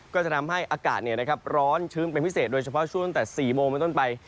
ก็จะทำให้อากาศร้อนชื้นเป็นพิเศษโดยเฉพาะช่วงตั้งแต่๔โมงเป็นต้นไป